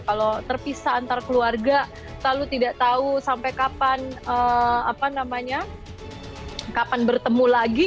kalau terpisah antar keluarga lalu tidak tahu sampai kapan bertemu lagi